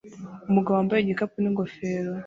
Umugabo wambaye igikapu n'ingofero